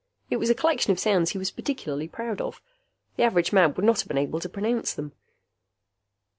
It was a collection of sounds he was particularly proud of. The average man would not have been able to pronounce them.